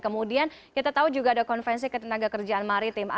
kemudian kita tahu juga ada konvensi ketenagakerjaan maritim